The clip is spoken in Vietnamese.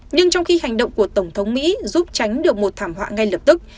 nhưng trong khi hành động của tổng thống mỹ giúp tránh được một thảm họa ngay lập tức